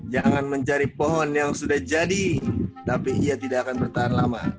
jangan mencari pohon yang sudah jadi tapi ia tidak akan bertahan lama